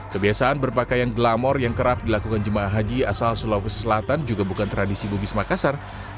kebiasaan berpakaian glamor yang kerap dilakukan jemaah haji asal sulawesi selatan juga bukan tradisi bugis makassar